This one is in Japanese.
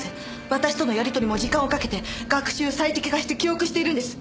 私とのやり取りも時間をかけて学習最適化して記憶しているんです。